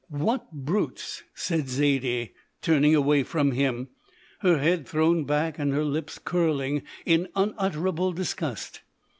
"What brutes," said Zaidie, turning away from him, her head thrown back and her lips curling in unutterable disgust.